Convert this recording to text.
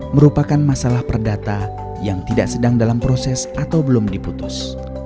merupakan masalah perdata yang tidak sedang dalam proses atau belum diputus